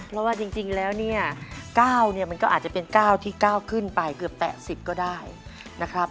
เพราะว่าจริงแล้วเนี่ย๙เนี่ยมันก็อาจจะเป็น๙ที่๙ขึ้นไปเกือบแตะ๑๐ก็ได้นะครับ